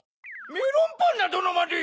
メロンパンナどのまで。